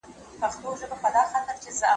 د خلګو په زړونو کي ځای جوړ کړئ.